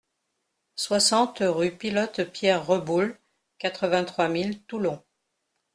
soixante rue Pilote Pierre Reboul, quatre-vingt-trois mille Toulon